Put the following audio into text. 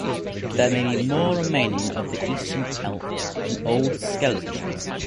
There may be more remaining of the eastern elk than old skeletons.